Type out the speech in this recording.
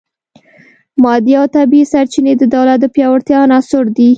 مادي او طبیعي سرچینې د دولت د پیاوړتیا عناصر دي